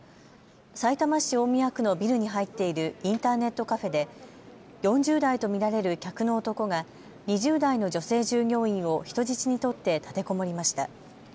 さいたま市大宮区のビルに入っているインターネットカフェで４０代と見られる客の男が２０代の女性従業員を人質に取って立てこもりました。